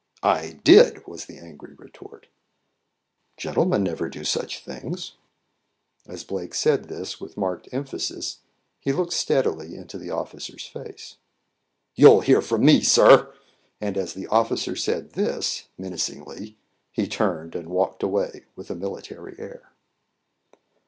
"I did," was the angry retort. "Gentlemen never do such things." As Blake said this with marked emphasis, he looked steadily into the officer's face. "You'll hear from me, sir." And as the officer said this, menacingly, he turned and walked away with a military air.